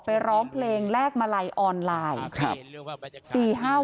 ร้องเพลงแลกมาลัยออนไลน์